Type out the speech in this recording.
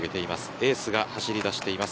エースが走り出しています。